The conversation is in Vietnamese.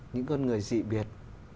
những con người dị biệt